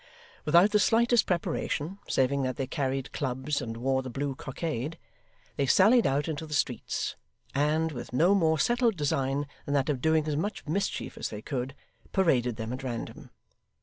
Without the slightest preparation, saving that they carried clubs and wore the blue cockade, they sallied out into the streets; and, with no more settled design than that of doing as much mischief as they could, paraded them at random.